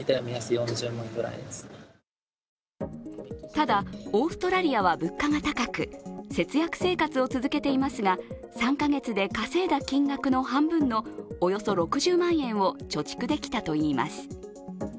ただオーストラリアは物価が高く節約生活を続けていますが３か月で稼いだ金額の半分のおよそ６０万円を貯蓄できたといいます。